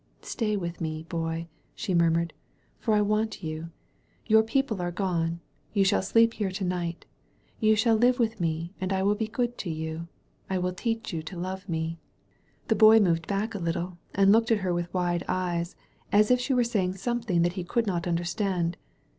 "Stay with me, boy," she murmured, for I want ^92 THE BOY OF NAZARETH DREAMS you. Your people are gone. You shall sleep here to night — you shall live with me and I will be good to you — I will teach you to love me. The Boy moved back a little and looked at her with wide eyes, as if she were saying something that he could not understand.